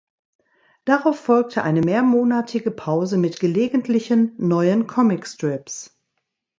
Darauf folgte eine mehrmonatige Pause mit gelegentlichen neuen Comicstrips.